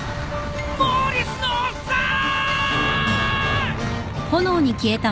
モーリスのおっさーん！！